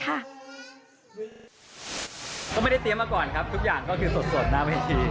ก็ไม่ได้เตรียมมาก่อนครับทุกอย่างก็คือสดหน้าเวที